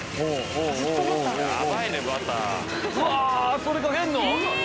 それかけんの？